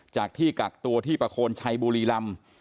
จากที่กักตัวที่ประโคนชัยบุรีลำ